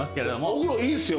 お風呂いいっすよ